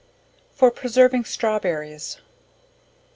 For preserving Strawberries.